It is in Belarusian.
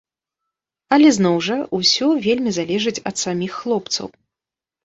Але зноў жа, усё вельмі залежыць ад саміх хлопцаў.